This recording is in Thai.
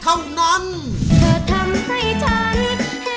เธอทำให้ฉันเห็นสุด